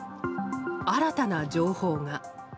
新たな情報が。